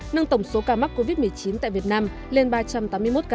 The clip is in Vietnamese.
nâng tổng số ca mắc covid một mươi chín tại việt nam lên ba trăm tám mươi một ca